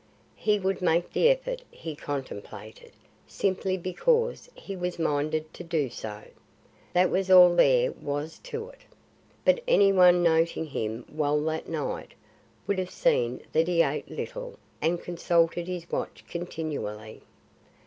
He would make the effort he contemplated, simply because he was minded to do so. That was all there was to it. But any one noting him well that night, would have seen that he ate little and consulted his watch continually.